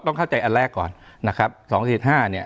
ต้องเข้าใจอันแรกก่อน